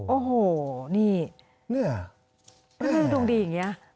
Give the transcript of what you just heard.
โอ้โหนี่ดวงดีอย่างนี้